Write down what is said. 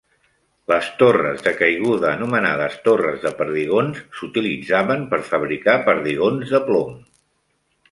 Les torres de caiguda anomenades "torres de perdigons" s'utilitzaven per fabricar perdigons de plom.